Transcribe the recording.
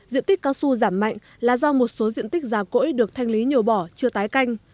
diện tích cao su giảm mạnh là do một số diện tích già cỗi được thanh lý nhổ bỏ chưa tái canh